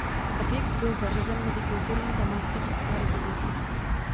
Objekt byl zařazen mezi kulturní památky České republiky.